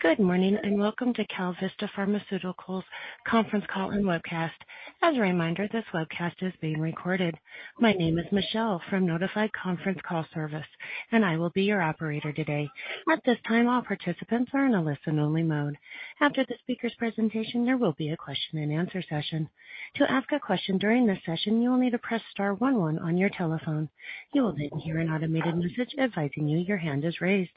Good morning, and welcome to KalVista Pharmaceuticals conference call and webcast. As a reminder, this webcast is being recorded. My name is Michelle from Notified Conference Call Service, and I will be your operator today. At this time, all participants are in a listen-only mode. After the speaker's presentation, there will be a question-and-answer session. To ask a question during this session, you will need to press star one one on your telephone. You will then hear an automated message advising you your hand is raised.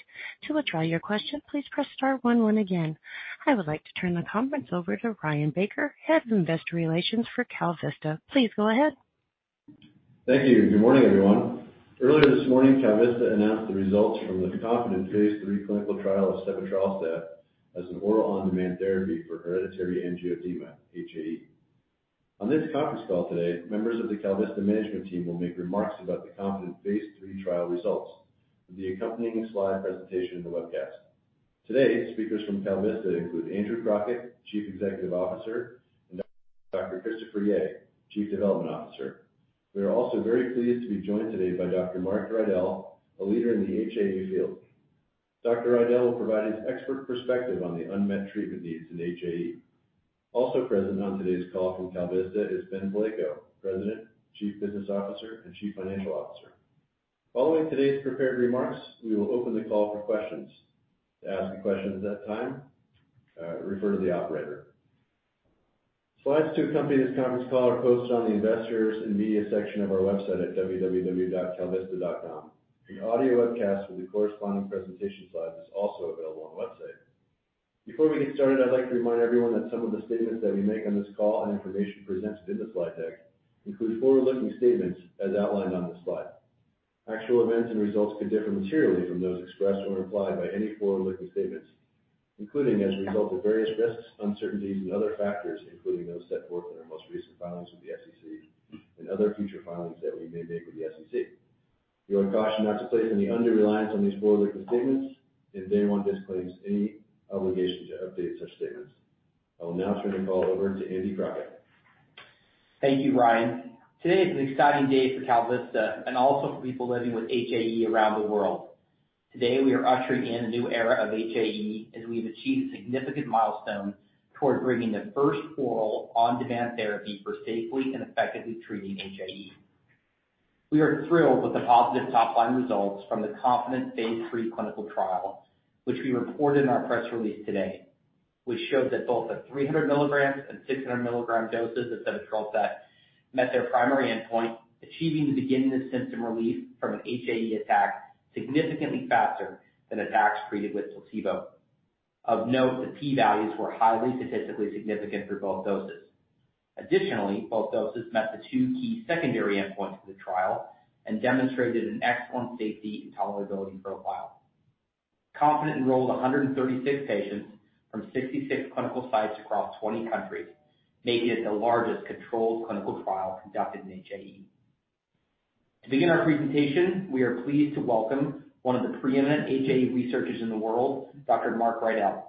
To withdraw your question, please press star one one again. I would like to turn the conference over to Ryan Baker, Head of Investor Relations for KalVista. Please go ahead. Thank you. Good morning, everyone. Earlier this morning, KalVista announced the results from the KONFIDENT Phase 3 clinical trial of sebetralstat as an oral on-demand therapy for hereditary angioedema, HAE. On this conference call today, members of the KalVista management team will make remarks about the KONFIDENT Phase 3 trial results and the accompanying slide presentation in the webcast. Today, speakers from KalVista include Andrew Crockett, Chief Executive Officer, and Dr. Christopher Yea, Chief Development Officer. We are also very pleased to be joined today by Dr. Marc Riedl, a leader in the HAE field. Dr. Riedl will provide his expert perspective on the unmet treatment needs in HAE. Also present on today's call from KalVista is Ben Palleiko, President, Chief Business Officer, and Chief Financial Officer. Following today's prepared remarks, we will open the call for questions. To ask a question at that time, refer to the operator. Slides to accompany this conference call are posted on the Investors and Media section of our website at www.kalvista.com. The audio webcast with the corresponding presentation slides is also available on the website. Before we get started, I'd like to remind everyone that some of the statements that we make on this call and information presented in the slide deck include forward-looking statements as outlined on this slide. Actual events and results could differ materially from those expressed or implied by any forward-looking statements, including as a result of various risks, uncertainties and other factors, including those set forth in our most recent filings with the SEC and other future filings that we may make with the SEC. We would caution not to place any undue reliance on these forward-looking statements, and they won't disclaim any obligation to update such statements. I will now turn the call over to Andy Crockett. Thank you, Ryan. Today is an exciting day for KalVista and also for people living with HAE around the world. Today, we are ushering in a new era of HAE as we've achieved a significant milestone towards bringing the first oral on-demand therapy for safely and effectively treating HAE. We are thrilled with the positive top-line results from the KONFIDENT Phase 3 clinical trial, which we reported in our press release today, which showed that both the 300 mg and 600 mg doses of sebetralstat met their primary endpoint, achieving the beginning of symptom relief from an HAE attack significantly faster than attacks treated with placebo. Of note, the P values were highly statistically significant for both doses. Additionally, both doses met the two key secondary endpoints of the trial and demonstrated an excellent safety and tolerability profile. KONFIDENT enrolled 136 patients from 66 clinical sites across 20 countries, making it the largest controlled clinical trial conducted in HAE. To begin our presentation, we are pleased to welcome one of the preeminent HAE researchers in the world, Dr. Marc Riedl.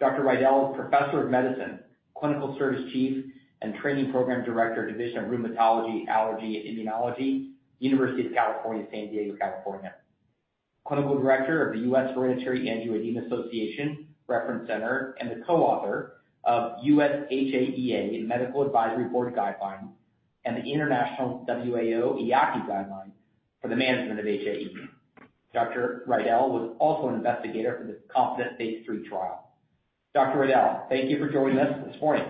Dr. Riedl is Professor of Medicine, Clinical Service Chief and Training Program Director, Division of Rheumatology, Allergy, and Immunology, University of California, San Diego, California, Clinical Director of the U.S. Hereditary Angioedema Association Reference Center and the co-author of U.S. HAEA Medical Advisory Board Guidelines and the International WAO/EAACI Guidelines for the Management of HAE. Dr. Riedl was also an investigator for the KONFIDENT Phase 3 trial. Dr. Riedl, thank you for joining us this morning.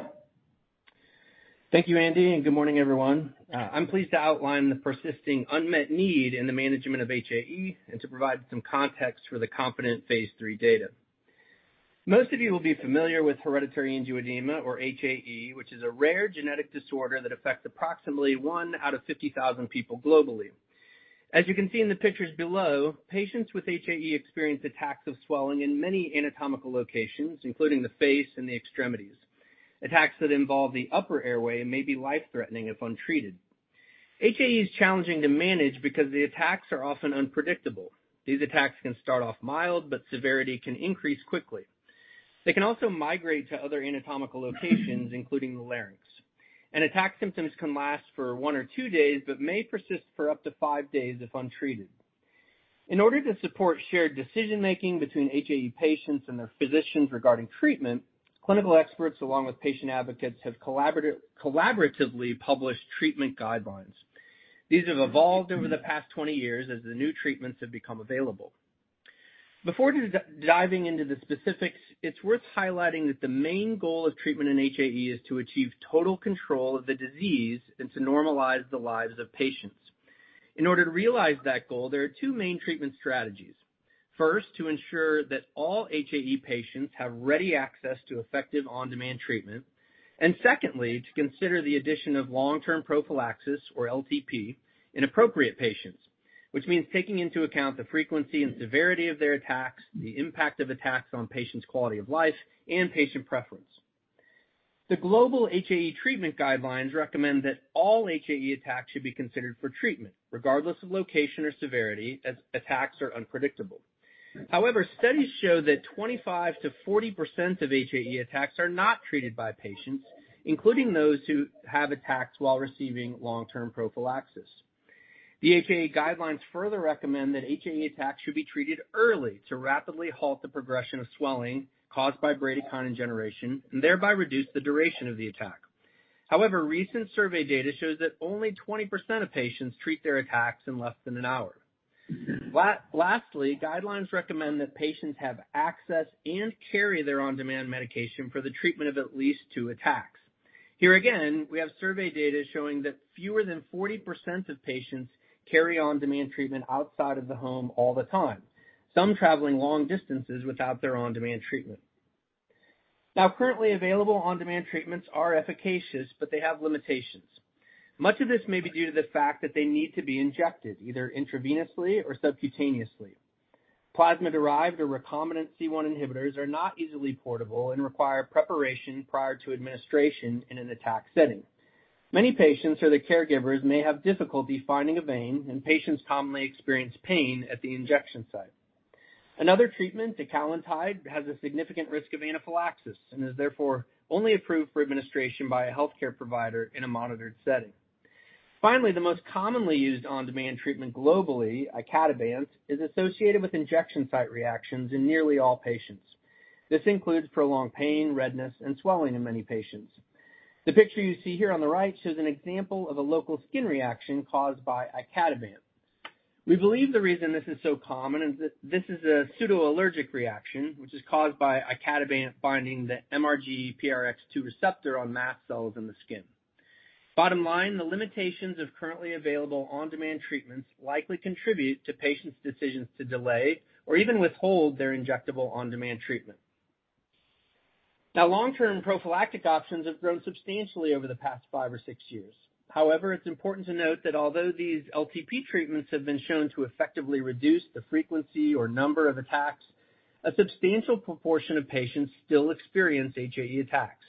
Thank you, Andy, and good morning, everyone. I'm pleased to outline the persisting unmet need in the management of HAE and to provide some context for the KONFIDENT Phase 3 data. Most of you will be familiar with hereditary angioedema or HAE, which is a rare genetic disorder that affects approximately one out of 50,000 people globally. As you can see in the pictures below, patients with HAE experience attacks of swelling in many anatomical locations, including the face and the extremities. Attacks that involve the upper airway may be life-threatening if untreated. HAE is challenging to manage because the attacks are often unpredictable. These attacks can start off mild, but severity can increase quickly. They can also migrate to other anatomical locations, including the larynx. An attack symptoms can last for one or two days, but may persist for up to five days if untreated. In order to support shared decision-making between HAE patients and their physicians regarding treatment, clinical experts, along with patient advocates, have collaboratively published treatment guidelines. These have evolved over the past 20 years as the new treatments have become available. Before diving into the specifics, it's worth highlighting that the main goal of treatment in HAE is to achieve total control of the disease and to normalize the lives of patients. In order to realize that goal, there are two main treatment strategies. First, to ensure that all HAE patients have ready access to effective on-demand treatment, and secondly, to consider the addition of long-term prophylaxis, or LTP, in appropriate patients, which means taking into account the frequency and severity of their attacks, the impact of attacks on patients' quality of life, and patient preference. The global HAE treatment guidelines recommend that all HAE attacks should be considered for treatment, regardless of location or severity, as attacks are unpredictable. However, studies show that 25%-40% of HAE attacks are not treated by patients, including those who have attacks while receiving long-term prophylaxis. The HAE guidelines further recommend that HAE attacks should be treated early to rapidly halt the progression of swelling caused by bradykinin generation and thereby reduce the duration of the attack. However, recent survey data shows that only 20% of patients treat their attacks in less than an hour. Lastly, guidelines recommend that patients have access and carry their on-demand medication for the treatment of at least two attacks. Here again, we have survey data showing that fewer than 40% of patients carry on-demand treatment outside of the home all the time, some traveling long distances without their on-demand treatment. Now, currently available on-demand treatments are efficacious, but they have limitations. Much of this may be due to the fact that they need to be injected, either intravenously or subcutaneously. Plasma-derived or recombinant C1 inhibitors are not easily portable and require preparation prior to administration in an attack setting. Many patients or their caregivers may have difficulty finding a vein, and patients commonly experience pain at the injection site. Another treatment, ecallantide, has a significant risk of anaphylaxis and is therefore only approved for administration by a healthcare provider in a monitored setting. Finally, the most commonly used on-demand treatment globally, icatibant, is associated with injection site reactions in nearly all patients. This includes prolonged pain, redness, and swelling in many patients. The picture you see here on the right shows an example of a local skin reaction caused by icatibant. We believe the reason this is so common is that this is a pseudoallergic reaction, which is caused by icatibant binding the MRGPRX2 receptor on mast cells in the skin. Bottom line, the limitations of currently available on-demand treatments likely contribute to patients' decisions to delay or even withhold their injectable on-demand treatment. Now, long-term prophylactic options have grown substantially over the past five or six years. However, it's important to note that although these LTP treatments have been shown to effectively reduce the frequency or number of attacks, a substantial proportion of patients still experience HAE attacks.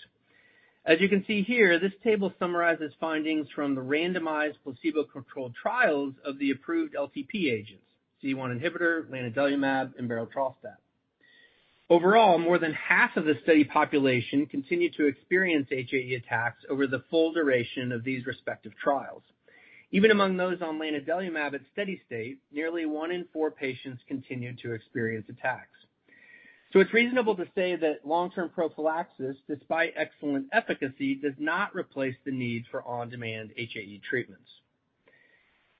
As you can see here, this table summarizes findings from the randomized placebo-controlled trials of the approved LTP agents, C1 inhibitor, lanadelumab, and berotralstat. Overall, more than 1/2 of the study population continued to experience HAE attacks over the full duration of these respective trials. Even among those on lanadelumab at steady state, nearly one in four patients continued to experience attacks. So it's reasonable to say that long-term prophylaxis, despite excellent efficacy, does not replace the need for on-demand HAE treatments.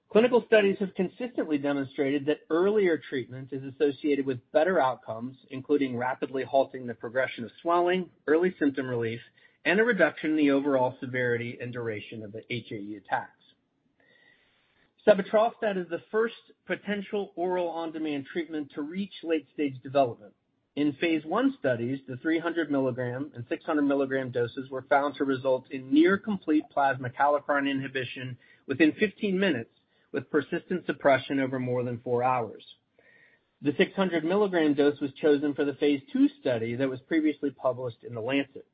Clinical studies have consistently demonstrated that earlier treatment is associated with better outcomes, including rapidly halting the progression of swelling, early symptom relief, and a reduction in the overall severity and duration of the HAE attacks. Sebetralstat is the first potential oral on-demand treatment to reach late-stage development. In phase I studies, the 300 mg and 600 mg doses were found to result in near complete plasma kallikrein inhibition within 15 minutes, with persistent suppression over more than four hours. The 600 mg dose was chosen for the phase II study that was previously published in The Lancet.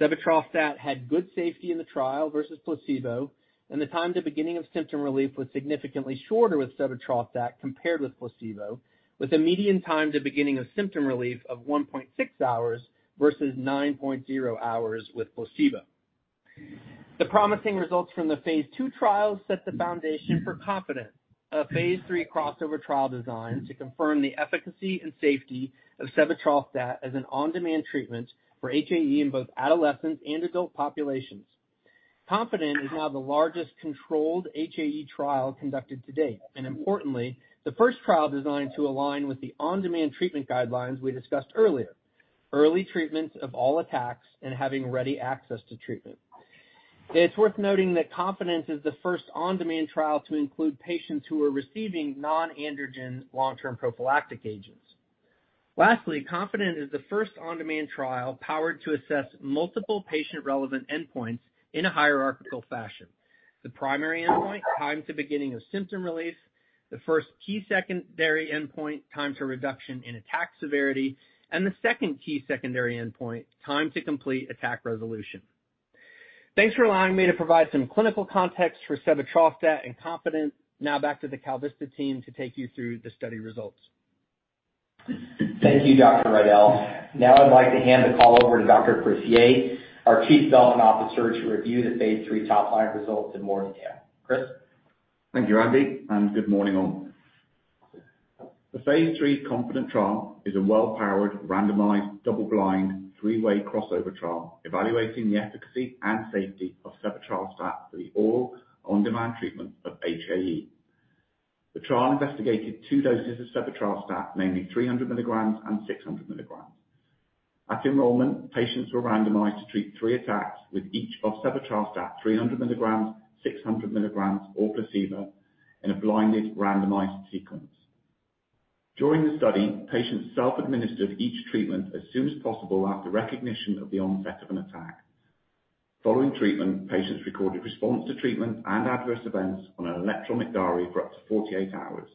Sebetralstat had good safety in the trial versus placebo, and the time to beginning of symptom relief was significantly shorter with sebetralstat compared with placebo, with a median time to beginning of symptom relief of 1.6 hours versus 9.0 hours with placebo. The promising results from the phase II trials set the foundation for KONFIDENT, a Phase 3 crossover trial design to confirm the efficacy and safety of sebetralstat as an on-demand treatment for HAE in both adolescents and adult populations. KONFIDENT is now the largest controlled HAE trial conducted to date, and importantly, the first trial designed to align with the on-demand treatment guidelines we discussed earlier: early treatments of all attacks and having ready access to treatment. It's worth noting that KONFIDENT is the first on-demand trial to include patients who are receiving non-androgen long-term prophylactic agents. Lastly, KONFIDENT is the first on-demand trial powered to assess multiple patient-relevant endpoints in a hierarchical fashion. The primary endpoint, time to beginning of symptom relief, the first key secondary endpoint, time to reduction in attack severity, and the second key secondary endpoint, time to complete attack resolution. Thanks for allowing me to provide some clinical context for sebetralstat and KONFIDENT. Now back to the KalVista team to take you through the study results. Thank you, Dr. Riedl. Now I'd like to hand the call over to Dr. Yea, our Chief Development Officer, to review the Phase 3 top-line results in more detail. Chris? Thank you, Andy, and good morning, all. The Phase 3 KONFIDENT trial is a well-powered, randomized, double-blind, three-way crossover trial evaluating the efficacy and safety of sebetralstat for the oral on-demand treatment of HAE. The trial investigated two doses of sebetralstat, namely 300 mg and 600 mg. At enrollment, patients were randomized to treat three attacks, with each of sebetralstat, 300 mg, 600 mg, or placebo, in a blinded, randomized sequence. During the study, patients self-administered each treatment as soon as possible after recognition of the onset of an attack. Following treatment, patients recorded response to treatment and adverse events on an electronic diary for up to 48 hours.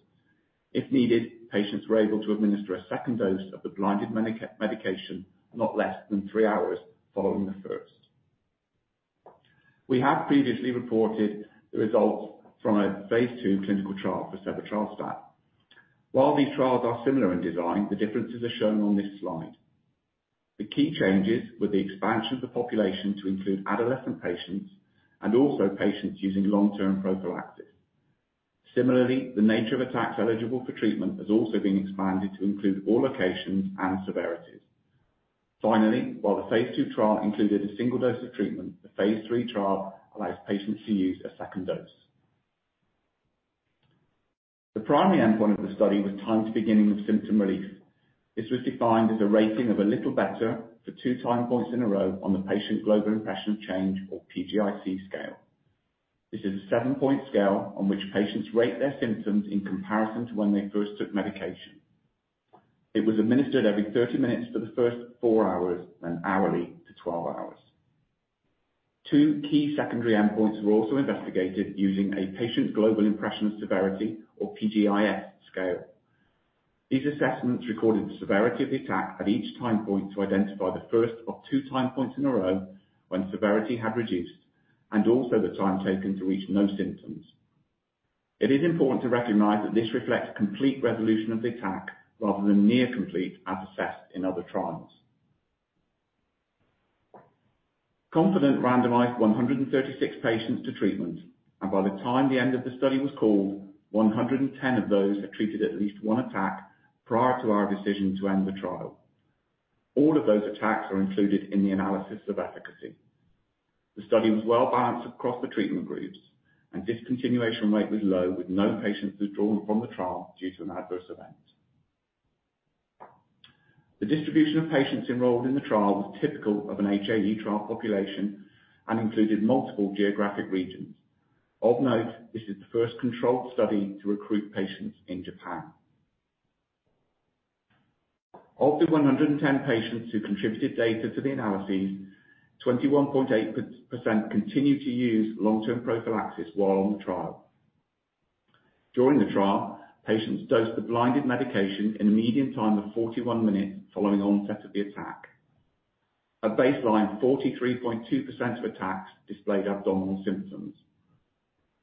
If needed, patients were able to administer a second dose of the blinded medication, not less than three hours following the first. We have previously reported the results from a phase II clinical trial for sebetralstat. While these trials are similar in design, the differences are shown on this slide. The key changes were the expansion of the population to include adolescent patients and also patients using long-term prophylaxis. Similarly, the nature of attacks eligible for treatment has also been expanded to include all locations and severities. Finally, while the phase II trial included a single dose of treatment, the Phase 3 trial allows patients to use a second dose. The primary endpoint of the study was time to beginning of symptom relief. This was defined as a rating of a little better for two time points in a row on the Patient Global Impression of Change, or PGIC, scale. This is a seven-point scale on which patients rate their symptoms in comparison to when they first took medication. It was administered every 30 minutes for the first four hours, then hourly to 12 hours. Two key secondary endpoints were also investigated using a Patient Global Impression of Severity, or PGIS, scale. These assessments recorded the severity of the attack at each time point to identify the first of two time points in a row when severity had reduced, and also the time taken to reach no symptoms. It is important to recognize that this reflects complete resolution of the attack, rather than near complete, as assessed in other trials. KONFIDENT randomized 136 patients to treatment, and by the time the end of the study was called, 110 of those had treated at least one attack prior to our decision to end the trial. All of those attacks are included in the analysis of efficacy. The study was well-balanced across the treatment groups, and discontinuation rate was low, with no patients withdrawn from the trial due to an adverse event. The distribution of patients enrolled in the trial was typical of an HAE trial population and included multiple geographic regions. Of note, this is the first controlled study to recruit patients in Japan. Of the 110 patients who contributed data to the analyses, 21.8% continued to use long-term prophylaxis while on the trial. During the trial, patients dosed the blinded medication in a median time of 41 minutes following onset of the attack. At baseline, 43.2% of attacks displayed abdominal symptoms.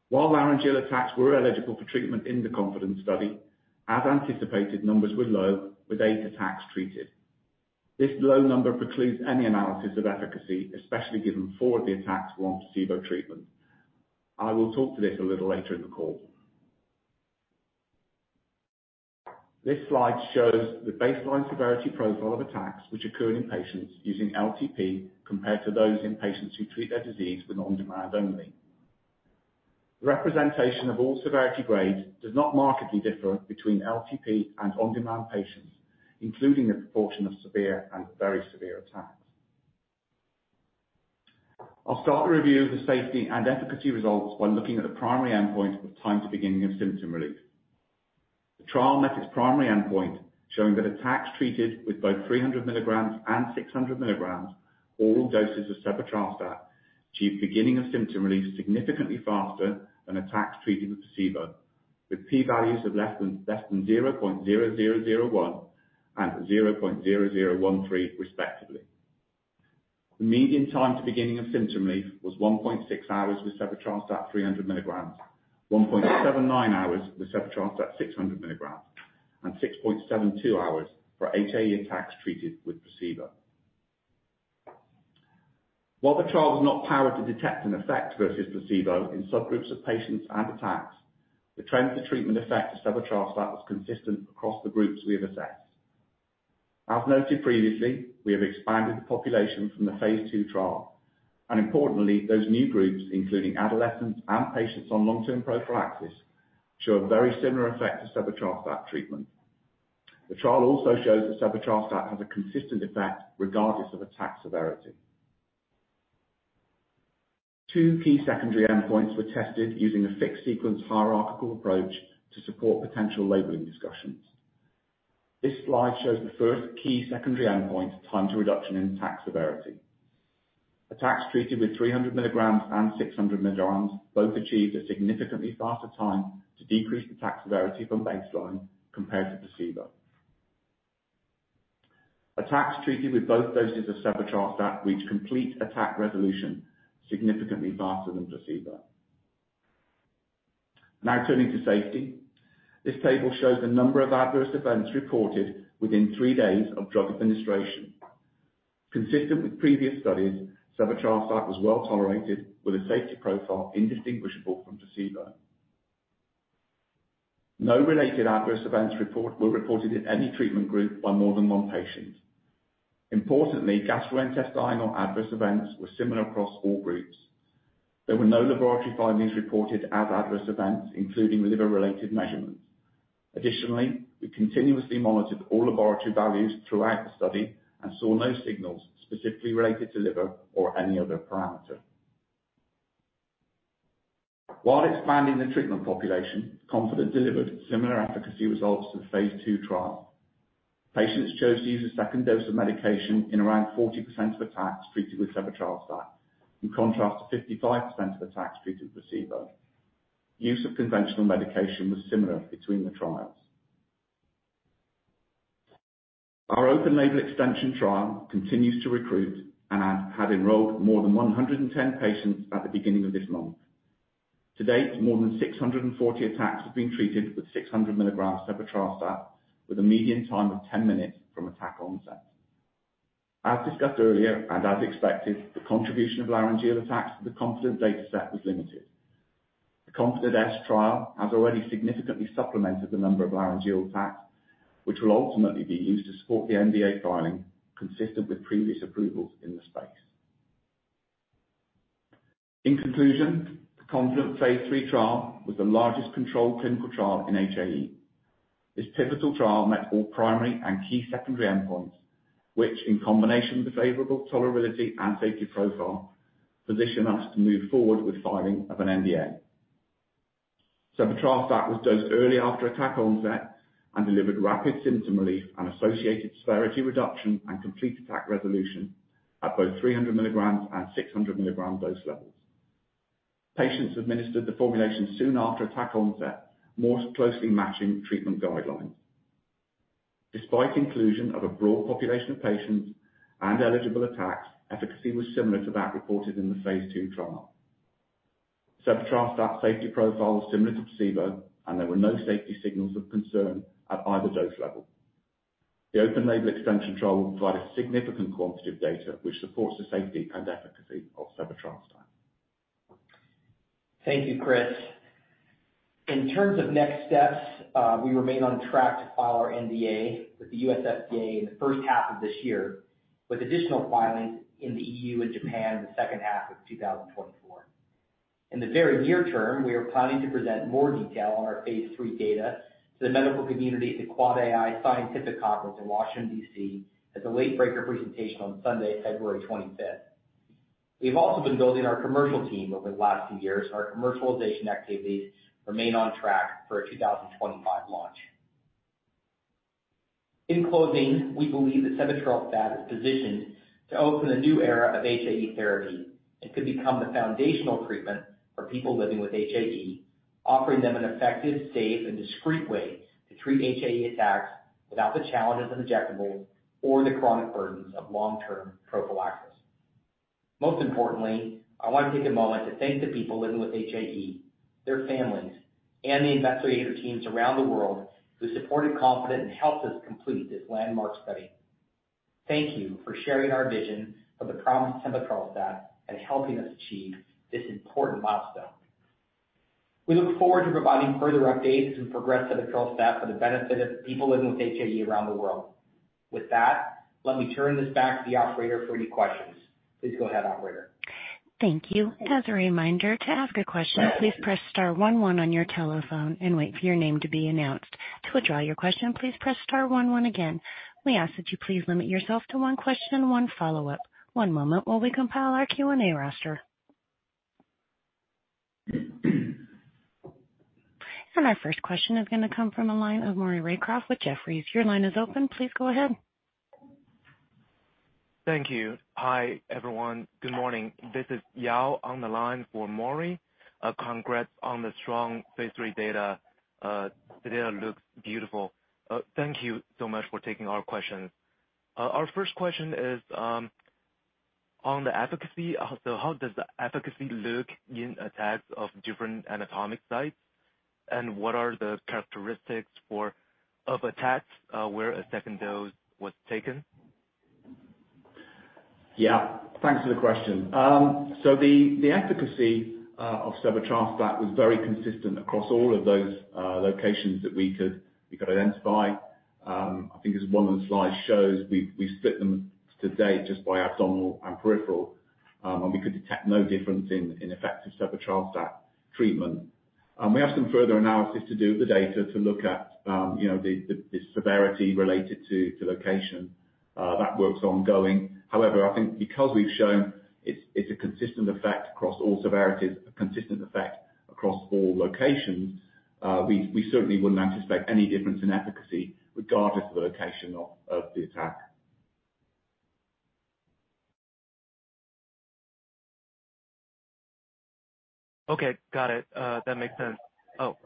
While laryngeal attacks were eligible for treatment in the KONFIDENT study, as anticipated, numbers were low, with eight attacks treated. This low number precludes any analysis of efficacy, especially given four of the attacks were on placebo treatment. I will talk to this a little later in the call. This slide shows the baseline severity profile of attacks which occurred in patients using LTP compared to those in patients who treat their disease with on-demand only. Representation of all severity grades does not markedly differ between LTP and on-demand patients, including the proportion of severe and very severe attacks. I'll start the review of the safety and efficacy results by looking at the primary endpoint of time to beginning of symptom relief. The trial met its primary endpoint, showing that attacks treated with both 300 mg and 600 mg, all doses of sebetralstat, achieved beginning of symptom relief significantly faster than attacks treated with placebo, with P values of less than 0.0001 and 0.0013, respectively. The median time to beginning of symptom relief was 1.6 hours with sebetralstat at 300 mg, 1.79 hours with sebetralstat at 600 mg, and 6.72 hours for HAE attacks treated with placebo. While the trial was not powered to detect an effect versus placebo in subgroups of patients and attacks, the trend to treatment effect of sebetralstat was consistent across the groups we have assessed. As noted previously, we have expanded the population from the phase II trial, and importantly, those new groups, including adolescents and patients on long-term prophylaxis, show a very similar effect to sebetralstat treatment. The trial also shows that sebetralstat has a consistent effect regardless of attack severity. Two key secondary endpoints were tested using a fixed sequence hierarchical approach to support potential labeling discussions. This slide shows the first key secondary endpoint, time to reduction in attack severity. Attacks treated with 300 mg and 600 mg both achieved a significantly faster time to decrease attack severity from baseline compared to placebo. Attacks treated with both doses of sebetralstat reached complete attack resolution significantly faster than placebo. Now turning to safety. This table shows the number of adverse events reported within three days of drug administration. Consistent with previous studies, sebetralstat was well-tolerated, with a safety profile indistinguishable from placebo. No related adverse event reports were reported in any treatment group by more than one patient. Importantly, gastrointestinal adverse events were similar across all groups. There were no laboratory findings reported as adverse events, including liver-related measurements. Additionally, we continuously monitored all laboratory values throughout the study and saw no signals specifically related to liver or any other parameter. While expanding the treatment population, KONFIDENT delivered similar efficacy results to the phase two trial. Patients chose to use a second dose of medication in around 40% of attacks treated with sebetralstat, in contrast to 55% of attacks treated with placebo. Use of conventional medication was similar between the trials. Our open label extension trial continues to recruit and has enrolled more than 110 patients at the beginning of this month. To date, more than 640 attacks have been treated with 600 mg sebetralstat, with a median time of 10 minutes from attack onset. As discussed earlier, and as expected, the contribution of laryngeal attacks to the KONFIDENT dataset was limited. The KONFIDENT-S trial has already significantly supplemented the number of laryngeal attacks, which will ultimately be used to support the NDA filing, consistent with previous approvals in the space. In conclusion, the KONFIDENT Phase 3 trial was the largest controlled clinical trial in HAE. This pivotal trial met all primary and key secondary endpoints, which, in combination with the favorable tolerability and safety profile, position us to move forward with filing of an NDA. Sebetralstat was dosed early after attack onset and delivered rapid symptom relief and associated severity reduction and complete attack resolution at both 300 mg and 600 mg dose levels. Patients administered the formulation soon after attack onset, more closely matching treatment guidelines. Despite the inclusion of a broad population of patients and eligible attacks, efficacy was similar to that reported in the phase II trial. Sebetralstat safety profile was similar to placebo, and there were no safety signals of concern at either dose level. The open-label extension trial will provide a significant quantity of data which supports the safety and efficacy of sebetralstat. Thank you, Chris. In terms of next steps, we remain on track to file our NDA with the U.S. FDA in the first half of this year, with additional filings in the E.U. and Japan in the second half of 2024. In the very near term, we are planning to present more detail on our Phase 3 data to the medical community at the AAAAI Scientific Conference in Washington, D.C., at the late breaker presentation on Sunday, February 25th. We've also been building our commercial team over the last few years, and our commercialization activities remain on track for a 2025 launch. In closing, we believe that sebetralstat is positioned to open a new era of HAE therapy and could become the foundational treatment for people living with HAE, offering them an effective, safe, and discreet way to treat HAE attacks without the challenges of injectables or the chronic burdens of long-term prophylaxis. Most importantly, I want to take a moment to thank the people living with HAE, their families, and the investigator teams around the world who supported KONFIDENT and helped us complete this landmark study. Thank you for sharing our vision of the promise of sebetralstat and helping us achieve this important milestone. We look forward to providing further updates and progress to the sebetralstat for the benefit of people living with HAE around the world. With that, let me turn this back to the operator for any questions. Please go ahead, operator. Thank you. As a reminder, to ask a question, please press star one one on your telephone and wait for your name to be announced. To withdraw your question, please press star one one again. We ask that you please limit yourself to one question and one follow-up. One moment while we compile our Q&A roster. Our first question is going to come from the line of Maury Raycroft with Jefferies. Your line is open. Please go ahead. Thank you. Hi, everyone. Good morning. This is Yao on the line for Maury. Congrats on the strong Phase 3 data. The data looks beautiful. Thank you so much for taking our questions. Our first question is on the efficacy. So how does the efficacy look in attacks of different anatomic sites? And what are the characteristics for, of attacks, where a second dose was taken? Yeah, thanks for the question. So the efficacy of sebetralstat was very consistent across all of those locations that we could identify. I think as one of the slides shows, we've split them to date just by abdominal and peripheral. And we could detect no difference in effective sebetralstat treatment. And we have some further analysis to do with the data to look at, you know, the severity related to location. That work's ongoing. However, I think because we've shown it's a consistent effect across all severities, a consistent effect across all locations, we certainly wouldn't anticipate any difference in efficacy regardless of the location of the attack. Okay, got it. That makes sense. Oh,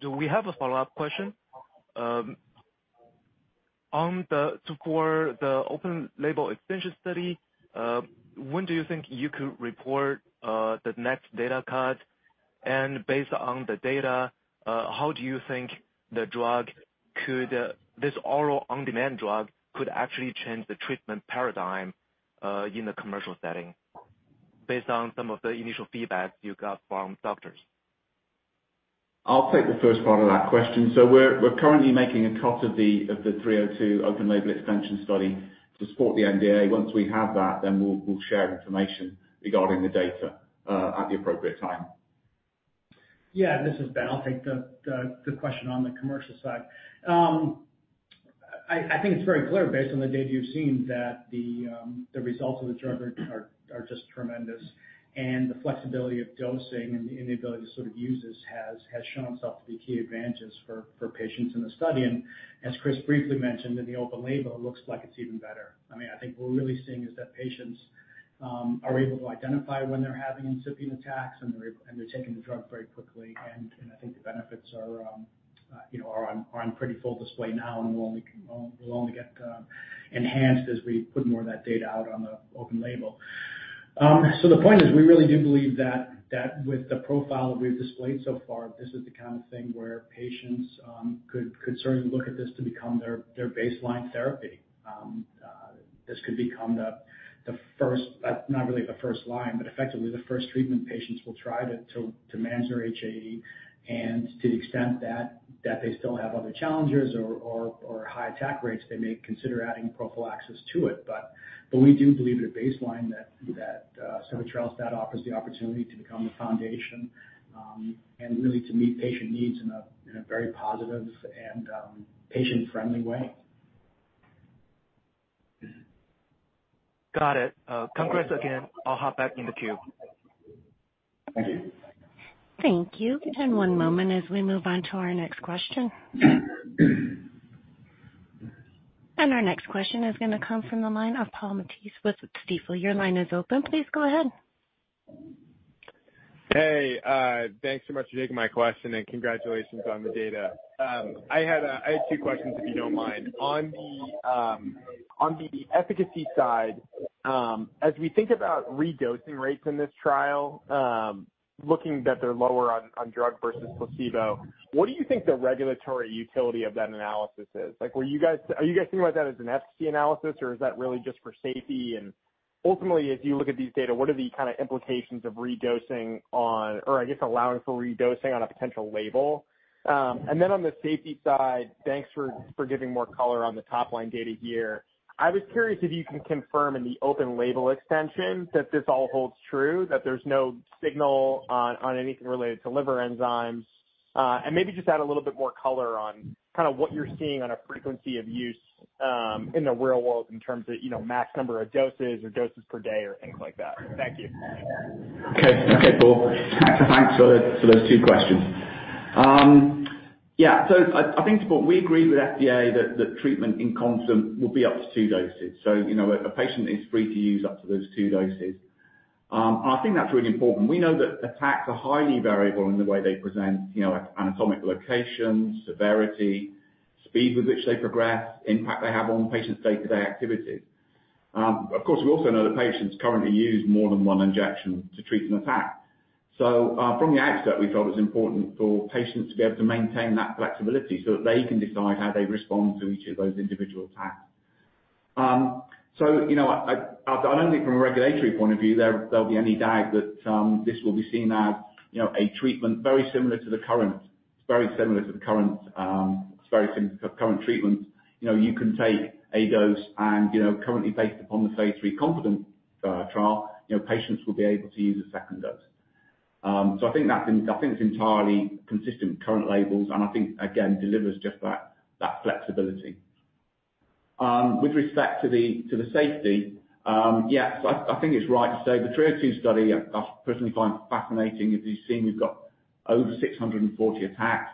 do we have a follow-up question? On the, so for the open-label extension study, when do you think you could report the next data cut? And based on the data, how do you think the drug could, this oral on-demand drug could actually change the treatment paradigm in the commercial setting, based on some of the initial feedback you got from doctors? I'll take the first part of that question. So we're currently making a cut of the 302 open-label extension study to support the NDA. Once we have that, then we'll share information regarding the data at the appropriate time. Yeah, this is Ben. I'll take the question on the commercial side. I think it's very clear, based on the data you've seen, that the results of the drug are just tremendous. And the flexibility of dosing and the ability to sort of use this has shown itself to be key advantages for patients in the study. And as Chris briefly mentioned, in the open label, it looks like it's even better. I mean, I think what we're really seeing is that patients are able to identify when they're having incipient attacks, and they're taking the drug very quickly. And I think the benefits are, you know, are on pretty full display now and will only get enhanced as we put more of that data out on the open label. So the point is, we really do believe that with the profile that we've displayed so far, this is the kind of thing where patients could certainly look at this to become their baseline therapy. This could become the first, not really the first line, but effectively the first treatment patients will try to manage their HAE. And to the extent that they still have other challenges or high attack rates, they may consider adding prophylaxis to it. But we do believe at a baseline that sebetralstat offers the opportunity to become the foundation and really to meet patient needs in a very positive and patient-friendly way. Got it. Congrats again. I'll hop back in the queue. Thank you. Thank you. And one moment as we move on to our next question. And our next question is gonna come from the line of Paul Matteis with Stifel. Your line is open. Please go ahead. Hey, thanks so much for taking my question and congratulations on the data. I had two questions, if you don't mind. On the efficacy side, as we think about redosing rates in this trial, looking that they're lower on drug versus placebo, what do you think the regulatory utility of that analysis is? Like, are you guys thinking about that as an FTC analysis, or is that really just for safety? And ultimately, as you look at these data, what are the kind of implications of redosing on, or I guess, allowing for redosing on a potential label? And then on the safety side, thanks for giving more color on the top-line data here. I was curious if you can confirm in the open label extension that this all holds true, that there's no signal on anything related to liver enzymes. And maybe just add a little bit more color on kind of what you're seeing on a frequency of use in the real world in terms of, you know, max number of doses or doses per day or things like that. Thank you. Okay. Okay, Paul. Thanks for those two questions. Yeah, so I think, Paul, we agree with FDA that the treatment in KONFIDENT will be up to two doses. So, you know, a patient is free to use up to those two doses. And I think that's really important. We know that attacks are highly variable in the way they present, you know, anatomic location, severity, speed with which they progress, impact they have on patients' day-to-day activity. Of course, we also know that patients currently use more than one injection to treat an attack. So, from the outset, we felt it was important for patients to be able to maintain that flexibility so that they can decide how they respond to each of those individual attacks. So, you know, I don't think from a regulatory point of view, there'll be any doubt that this will be seen as, you know, a treatment very similar to the current treatment. You know, you can take a dose and, you know, currently based upon the Phase 3 KONFIDENT trial, you know, patients will be able to use a second dose. So I think that's been, I think it's entirely consistent with current labels, and I think, again, delivers just that flexibility. With respect to the safety, yes, I think it's right to say the 302 study, I personally find fascinating. As you've seen, we've got over 640 attacks.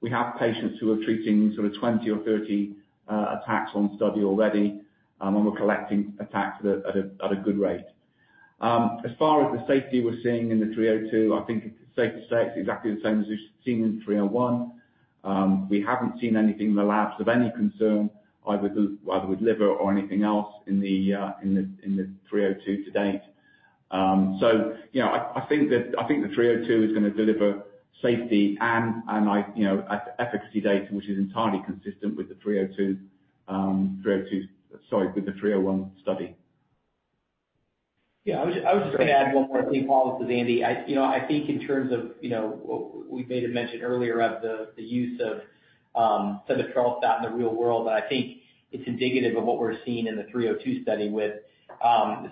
We have patients who are treating sort of 20 or 30 attacks on study already, and we're collecting attacks at a good rate. As far as the safety we're seeing in the 302, I think it's safe to say it's exactly the same as we've seen in 301. We haven't seen anything in the labs of any concern, either with liver or anything else in the 302 to date. So, you know, I think the 302 is gonna deliver safety and efficacy data, which is entirely consistent with the 302, sorry, with the 301 study. Yeah, I was just gonna add one more thing, Paul, to Andy. I, you know, I think in terms of, you know, we made a mention earlier of the, the use of sebetralstat in the real world, and I think it's indicative of what we're seeing in the 302 study with,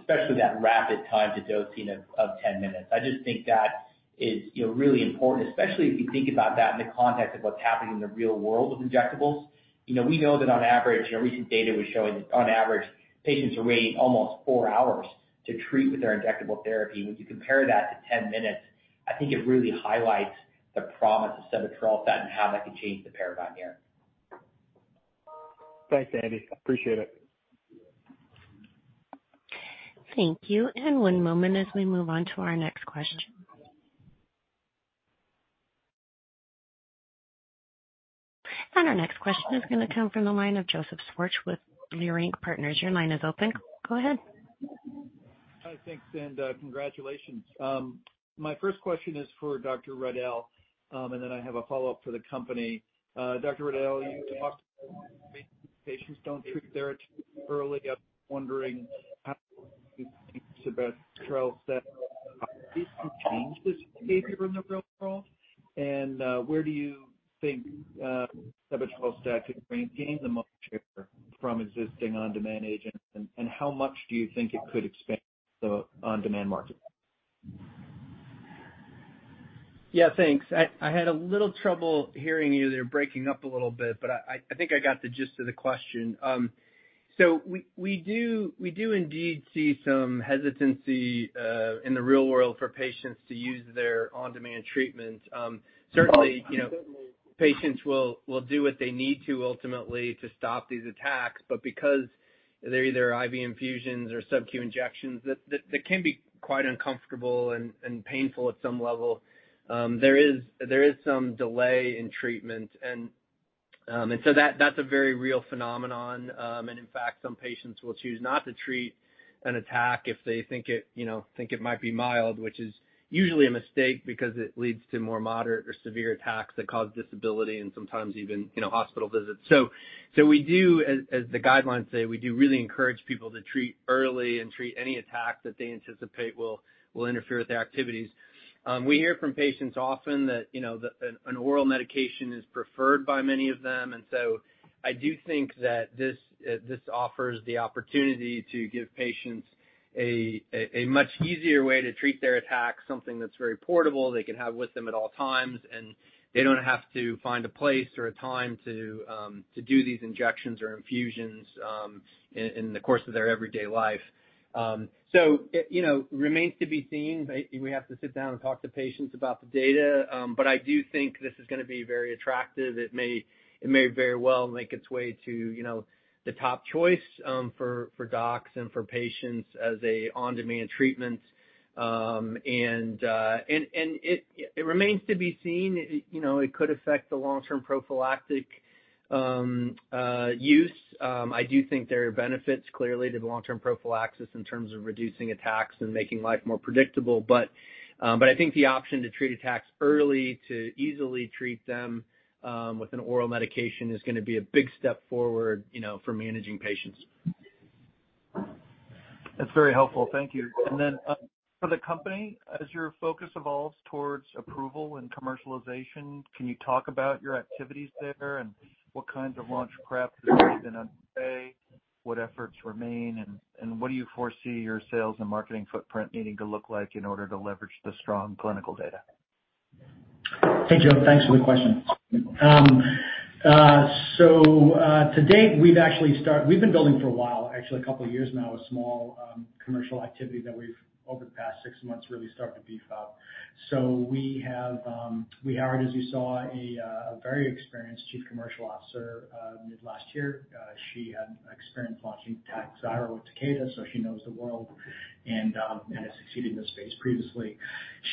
especially that rapid time to dosing of 10 minutes. I just think that is, you know, really important, especially if you think about that in the context of what's happening in the real world with injectables. You know, we know that on average, you know, recent data was showing on average, patients are waiting almost four hours to treat with their injectable therapy. When you compare that to 10 minutes, I think it really highlights the promise of sebetralstat and how that can change the paradigm here. Thanks, Andy. Appreciate it. Thank you, and one moment as we move on to our next question. Our next question is gonna come from the line of Joseph Schwartz with Leerink Partners. Your line is open. Go ahead. Hi. Thanks, and, congratulations. My first question is for Dr. Riedl, and then I have a follow-up for the company. Dr. Riedl, you talked about patients don't treat there too early. I'm wondering how you think about trial set at least to change this behavior in the real world. And, where do you think, sebetralstat could gain the most share from existing on-demand agents, and, how much do you think it could expand the on-demand market? Yeah, thanks. I, I had a little trouble hearing you. You're breaking up a little bit, but I, I think I got the gist of the question. So we, we do, we do indeed see some hesitancy in the real world for patients to use their on-demand treatments. Certainly, you know, patients will, will do what they need to ultimately to stop these attacks, but because they're either IV infusions or sub-Q injections, that, that can be quite uncomfortable and, and painful at some level. There is, there is some delay in treatment, and so that's a very real phenomenon. And in fact, some patients will choose not to treat an attack if they think it, you know, might be mild, which is usually a mistake because it leads to more moderate or severe attacks that cause disability and sometimes even, you know, hospital visits. So we do, as the guidelines say, really encourage people to treat early and treat any attack that they anticipate will interfere with their activities. We hear from patients often that, you know, an oral medication is preferred by many of them. So I do think that this offers the opportunity to give patients a much easier way to treat their attacks, something that's very portable, they can have with them at all times, and they don't have to find a place or a time to do these injections or infusions in the course of their everyday life. So it, you know, remains to be seen. We have to sit down and talk to patients about the data, but I do think this is gonna be very attractive. It may very well make its way to, you know, the top choice for docs and for patients as an on-demand treatment. And it remains to be seen. You know, it could affect the long-term prophylactic use. I do think there are benefits, clearly, to the long-term prophylaxis in terms of reducing attacks and making life more predictable. But, I think the option to treat attacks early, to easily treat them, with an oral medication, is gonna be a big step forward, you know, for managing patients. That's very helpful. Thank you. And then, for the company, as your focus evolves towards approval and commercialization, can you talk about your activities there and what kinds of launch prep have been underway? What efforts remain, and what do you foresee your sales and marketing footprint needing to look like in order to leverage the strong clinical data? Hey, Joe. Thanks for the question. So, to date, we've actually—we've been building for a while, actually a couple of years now, a small commercial activity that we've, over the past six months, really started to beef up. So we have... We hired, as you saw, a very experienced Chief Commercial Officer mid last year. She had experience launching Takhzyro with Takeda, so she knows the world and has succeeded in this space previously.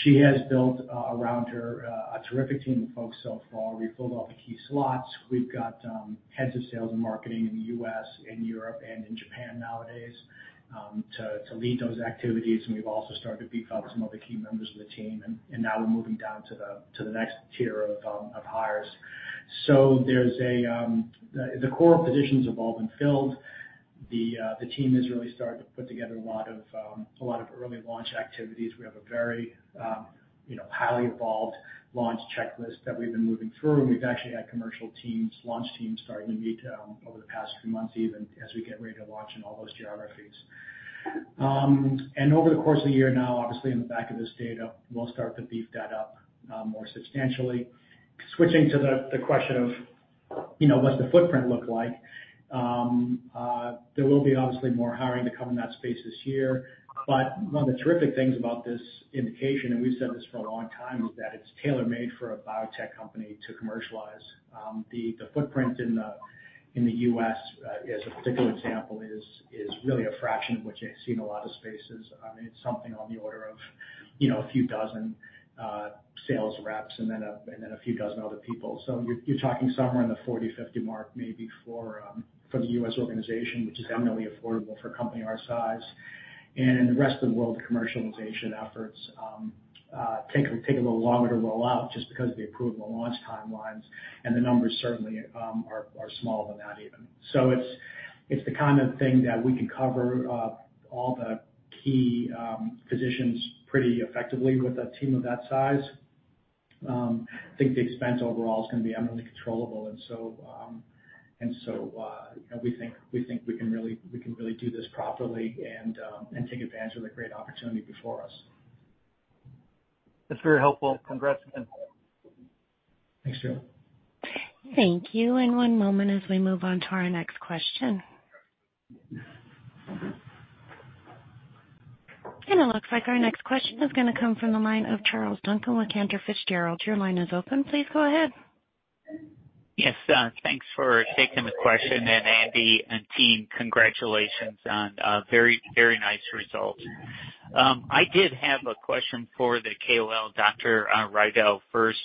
She has built around her a terrific team of folks so far. We've filled all the key slots. We've got heads of sales and marketing in the U.S., and Europe, and in Japan nowadays, to lead those activities. And we've also started to beef up some other key members of the team, and now we're moving down to the next tier of hires. So the core positions have all been filled. The team has really started to put together a lot of early launch activities. We have a very, you know, highly evolved launch checklist that we've been moving through, and we've actually had commercial teams, launch teams, starting to meet over the past few months, even as we get ready to launch in all those geographies. And over the course of the year now, obviously, in the back of this data, we'll start to beef that up more substantially. Switching to the question of, you know, what's the footprint look like? There will be obviously more hiring to come in that space this year. But one of the terrific things about this indication, and we've said this for a long time, is that it's tailor-made for a biotech company to commercialize. The footprint in the U.S., as a particular example, is really a fraction of what you see in a lot of spaces. I mean, it's something on the order of, you know, a few dozen sales reps and then a few dozen other people. So you're talking somewhere in the 40-50 mark, maybe for the U.S. organization, which is eminently affordable for a company our size. And the rest of the world commercialization efforts take a little longer to roll out just because of the approval and launch timelines, and the numbers certainly are smaller than that even. So it's the kind of thing that we can cover all the key positions pretty effectively with a team of that size. I think the expense overall is gonna be eminently controllable. And so, you know, we think we can really do this properly and take advantage of the great opportunity before us. That's very helpful. Congrats again. Thanks, Joe. Thank you. And one moment as we move on to our next question. And it looks like our next question is gonna come from the line of Charles Duncan with Cantor Fitzgerald. Your line is open. Please go ahead. Yes, thanks for taking the question. And Andy and team, congratulations on, very, very nice results. I did have a question for the KOL, Dr. Riedl, first,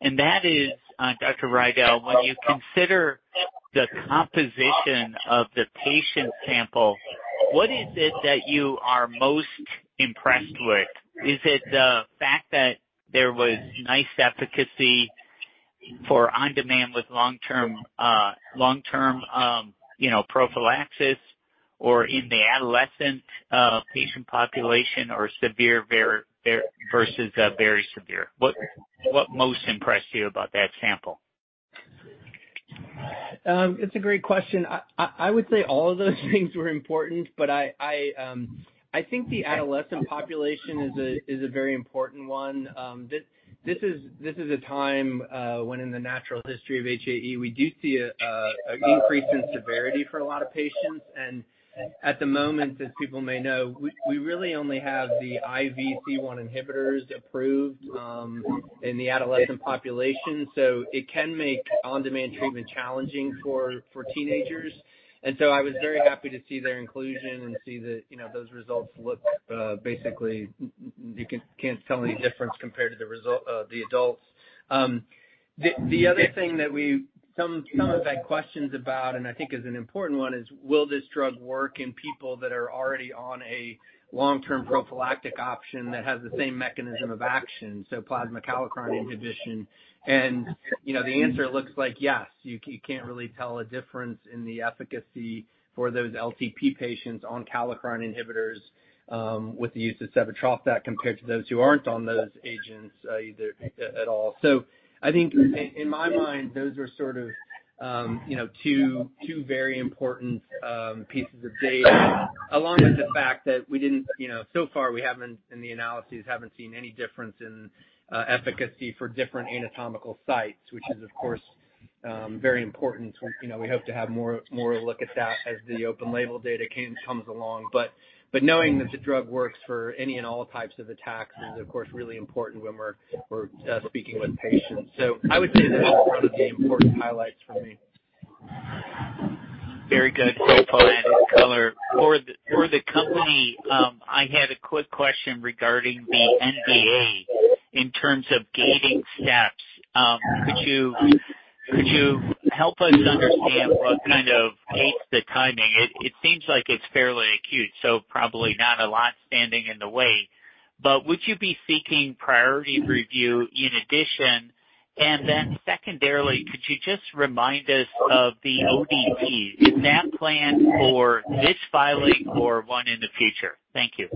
and that is, Dr. Riedl, when you consider the composition of the patient sample, what is it that you are most impressed with? Is it the fact that there was nice efficacy for on-demand with long-term, long-term, you know, prophylaxis, or in the adolescent, patient population, or severe versus very severe? What most impressed you about that sample? It's a great question. I would say all of those things were important, but I think the adolescent population is a very important one. This is a time when in the natural history of HAE, we do see an increase in severity for a lot of patients. And at the moment, as people may know, we really only have the IV C1 inhibitors approved in the adolescent population, so it can make on-demand treatment challenging for teenagers. And so I was very happy to see their inclusion and see that, you know, those results looked basically, can't tell any difference compared to the result, the adults. The other thing that some have had questions about, and I think is an important one, is will this drug work in people that are already on a long-term prophylactic option that has the same mechanism of action, so plasma kallikrein inhibition? And, you know, the answer looks like yes. You can't really tell a difference in the efficacy for those LTP patients on kallikrein inhibitors, with the use of sebetralstat compared to those who aren't on those agents, either, at all. So I think, in my mind, those are sort of, you know, two very important pieces of data, along with the fact that, you know, so far, we haven't, in the analyses, seen any difference in efficacy for different anatomical sites, which is, of course, very important. You know, we hope to have more look at that as the open label data comes along. But knowing that the drug works for any and all types of attacks is, of course, really important when we're speaking with patients. So I would say those are the important highlights for me. Very good. Great point and color. For the company, I had a quick question regarding the NDA in terms of gaining steps. Could you help us understand what kind of pace, the timing? It seems like it's fairly acute, so probably not a lot standing in the way. But would you be seeking priority review in addition? And then secondarily, could you just remind us of the ODT? Is that planned for this filing or one in the future? Thank you.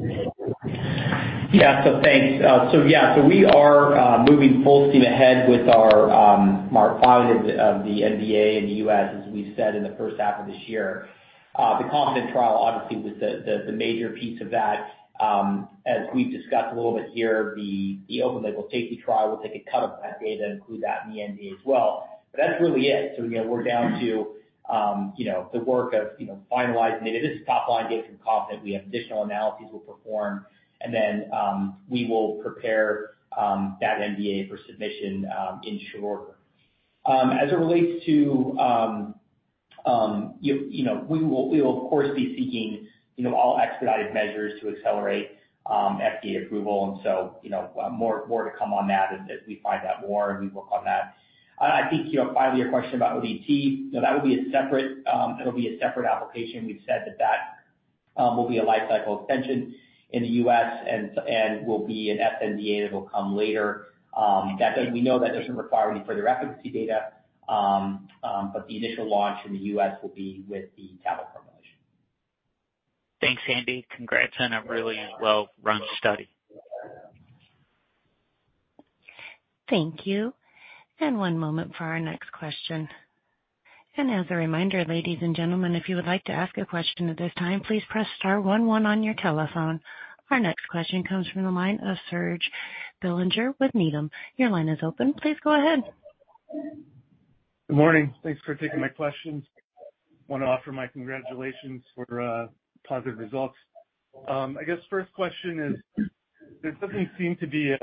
Yeah. So thanks. So yeah, so we are moving full steam ahead with our NDA filing of the NDA in the U.S., as we've said, in the first half of this year. The KONFIDENT trial obviously was the major piece of that. As we've discussed a little bit here, the open label safety trial, we'll take a cut of that data and include that in the NDA as well. But that's really it. So again, we're down to you know the work of you know finalizing it. This is top line data from KONFIDENT. We have additional analyses we'll perform, and then we will prepare that NDA for submission in short order. As it relates to, you know, we will of course be seeking, you know, all expedited measures to accelerate FDA approval, and so, you know, more to come on that as we find out more and we work on that. And I think, you know, finally, your question about ODT, you know, that will be a separate, it'll be a separate application. We've said that that will be a life cycle extension in the U.S. and will be an sNDA, that will come later. That doesn't... We know that doesn't require any further efficacy data. But the initial launch in the U.S. will be with the tablet formulation. Thanks, Andy. Congrats on a really well-run study. Thank you. And one moment for our next question. And as a reminder, ladies and gentlemen, if you would like to ask a question at this time, please press star one one on your telephone. Our next question comes from the line of Serge Belanger with Needham. Your line is open. Please go ahead. Good morning. Thanks for taking my questions. I wanna offer my congratulations for positive results. I guess first question is, there doesn't seem to be a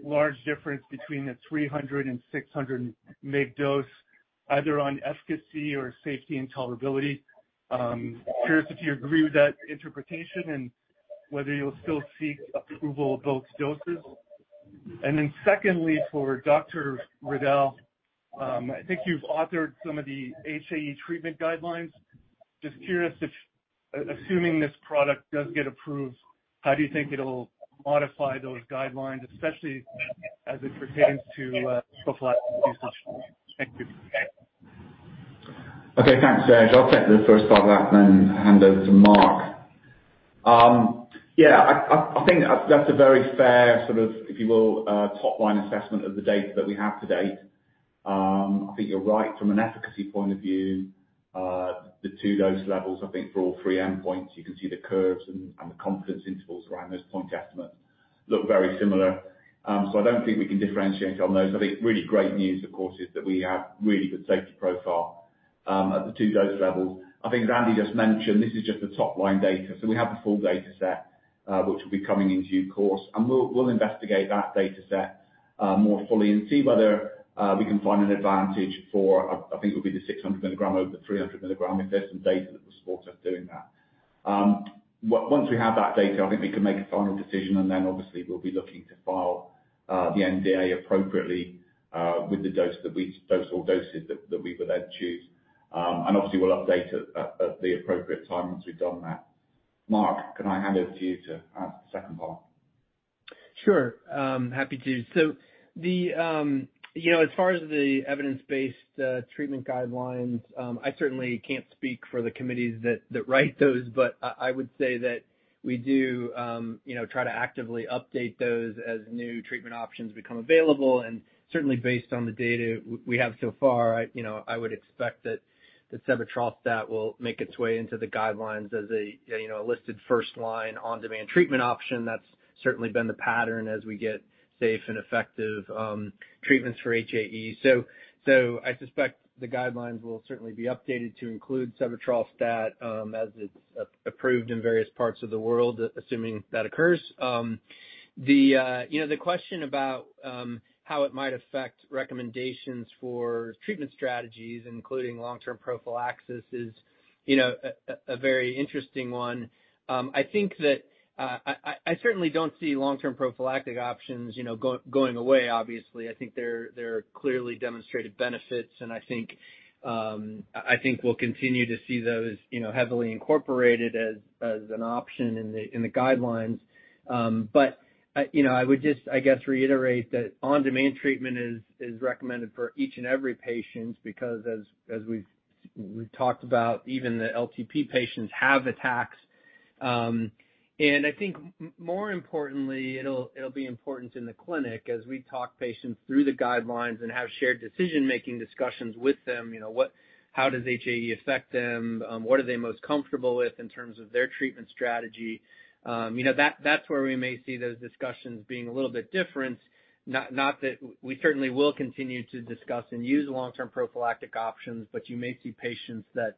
large difference between the 300- and 600-mg dose, either on efficacy or safety and tolerability. Curious if you agree with that interpretation and whether you'll still seek approval of both doses? And then secondly, for Dr. Riedl, I think you've authored some of the HAE treatment guidelines. Just curious if, assuming this product does get approved, how do you think it'll modify those guidelines, especially as it pertains to prophylaxis? Thank you. Okay, thanks, Serge. I'll take the first part of that, then hand over to Marc. Yeah, I think that's a very fair sort of, if you will, top-line assessment of the data that we have to date. I think you're right from an efficacy point of view. The two dose levels, I think for all three endpoints, you can see the curves and the confidence intervals around those point estimates look very similar. So I don't think we can differentiate on those. I think really great news, of course, is that we have really good safety profile at the two dose levels. I think as Andy just mentioned, this is just the top-line data. So we have the full data set, which will be coming in due course, and we'll investigate that data set more fully and see whether we can find an advantage for. I think it'll be the 600 mg over the 300 mg, if there's some data that will support us doing that. Once we have that data, I think we can make a final decision, and then obviously we'll be looking to file the NDA appropriately with the dose or doses that we would then choose. And obviously we'll update at the appropriate time once we've done that. Marc, can I hand over to you to answer the second part? Sure, happy to. So the, you know, as far as the evidence-based treatment guidelines, I certainly can't speak for the committees that write those, but I would say that we do, you know, try to actively update those as new treatment options become available, and certainly based on the data we have so far, I, you know, I would expect that sebetralstat will make its way into the guidelines as a, you know, a listed first line on-demand treatment option. That's certainly been the pattern as we get safe and effective treatments for HAE. So I suspect the guidelines will certainly be updated to include sebetralstat, as it's approved in various parts of the world, assuming that occurs. You know, the question about how it might affect recommendations for treatment strategies, including long-term prophylaxis, is, you know, a very interesting one. I think that I certainly don't see long-term prophylactic options, you know, going away, obviously. I think there are clearly demonstrated benefits, and I think we'll continue to see those, you know, heavily incorporated as an option in the guidelines. But I, you know, I would just, I guess, reiterate that on-demand treatment is recommended for each and every patient, because as we've talked about, even the LTP patients have attacks... And I think more importantly, it'll be important in the clinic as we talk patients through the guidelines and have shared decision-making discussions with them. You know, how does HAE affect them? What are they most comfortable with in terms of their treatment strategy? You know, that, that's where we may see those discussions being a little bit different. Not that—we certainly will continue to discuss and use long-term prophylactic options, but you may see patients that,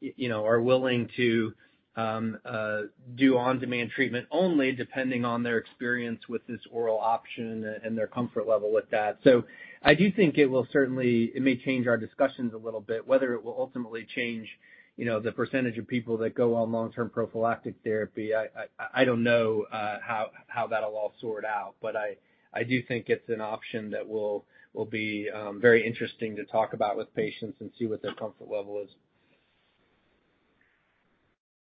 you know, are willing to do on-demand treatment only depending on their experience with this oral option and their comfort level with that. So I do think it will certainly. It may change our discussions a little bit. Whether it will ultimately change, you know, the percentage of people that go on long-term prophylactic therapy, I don't know how that'll all sort out. But I do think it's an option that will be very interesting to talk about with patients and see what their comfort level is.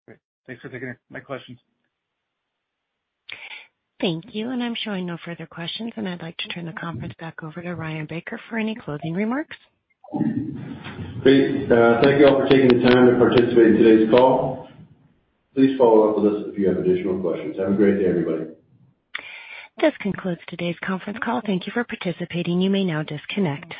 Great. Thanks for taking my questions. Thank you, and I'm showing no further questions, and I'd like to turn the conference back over to Ryan Baker for any closing remarks. Great. Thank you all for taking the time to participate in today's call. Please follow up with us if you have additional questions. Have a great day, everybody. This concludes today's conference call. Thank you for participating. You may now disconnect.